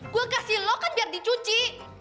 gue kasih lo kan biar dicuci